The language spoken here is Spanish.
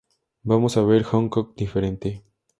Vamos a ver un Hong Kong diferente